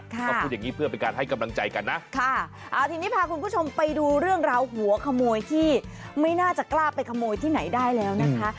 ก็พูดอย่างนี้เพื่อเป็นการให้กำลังใจกันนะค่ะเอาทีนี้พาคุณผู้ชมไปดูเรื่องราวหัวขโมยที่ไม่น่าจะกล้าไปขโมยที่ไหนได้แล้วนะคะ